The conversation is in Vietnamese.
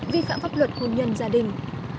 vi phạm pháp luật hôn nhân gia đình